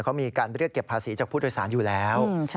เขามีการเรียกเก็บภาษีจากผู้โดยสารอยู่แล้ว